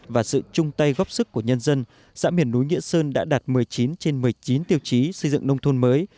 và sự chung tay góp sức của nhân dân xã miền núi nghĩa sơn đã đạt một mươi chín trên một mươi chín tiêu chí xây dựng nông thôn mới